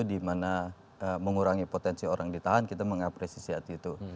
dimana mengurangi potensi orang ditahan kita mengapresisi saat itu